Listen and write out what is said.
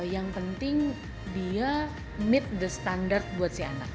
yang penting dia meet the standard buat si anak